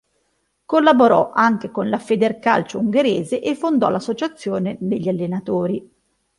Collaborò anche con la Federcalcio Ungherese e fondò l'associazione degli allenatori.